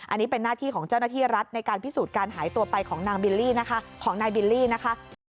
อันนี้เป็นหน้าที่ของเจ้าหน้าที่รัฐในการพิสูจน์การหายตัวไปของนายบิลลี่นะคะ